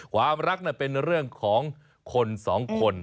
ความรักเป็นเรื่องของคนสองคน